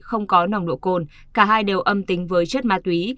không có nồng độ cồn cả hai đều âm tính với chất ma túy